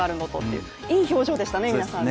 いい表情でしたね、皆さん。